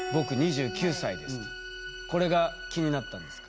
これが気になったんですか？